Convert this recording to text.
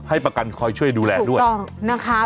ให้ประกันคอยช่วยดูแลด้วยถูกต้องนะคะ